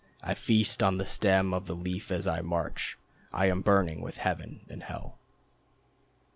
I feast on the stem of the Leaf as I march. I am burning with Heaven and Hell.